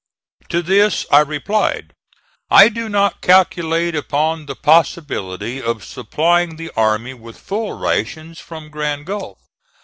To this I replied: "I do not calculate upon the possibility of supplying the army with full rations from Grand Gulf.